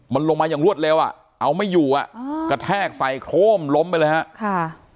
มันลงมาอย่างรวดเร็วอ่ะเอาไม่อยู่อ่ะกระแทกใส่โครมล้มไปเลยฮะค่ะ